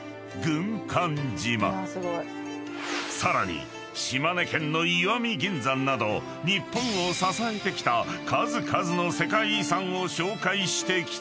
［さらに島根県の石見銀山など日本を支えてきた数々の世界遺産を紹介してきたが］